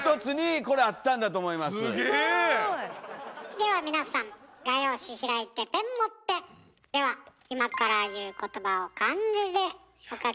では皆さん画用紙開いてペン持って！では今から言うことばを漢字でお書き下さい。